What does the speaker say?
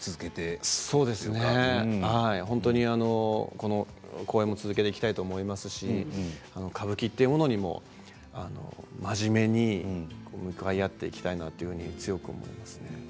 この公演も続けていきたいと思いますし歌舞伎というものにも真面目に向かい合っていきたいなと強く思いますね。